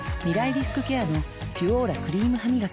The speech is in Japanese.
リスクケアの「ピュオーラ」クリームハミガキ